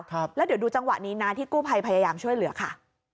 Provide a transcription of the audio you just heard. ครับแล้วเดี๋ยวดูจังหวะนี้นะที่กู้ภัยพยายามช่วยเหลือค่ะ